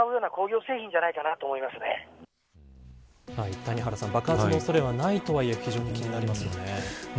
谷原さん、爆発の恐れはないとはいえ非常に気になりますよね。